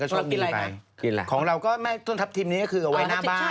ก็ช่องดีไปของเราก็ไม่ทัพทีมนี้ก็คือเอาไว้หน้าบ้าน